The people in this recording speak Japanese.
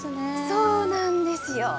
そうなんですよ。